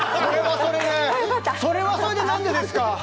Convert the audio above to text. それはそれで何でですか！